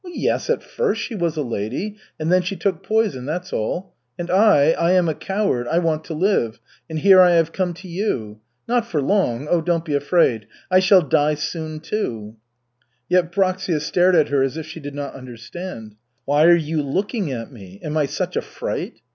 "Yes, at first she was a 'lady,' and then she took poison, that's all. And I, I am a coward, I want to live, and here I have come to you. Not for long, oh, don't be afraid. I shall die soon, too." Yevpraksia stared at her, as if she did not understand. "Why are you looking at me? Am I such a fright?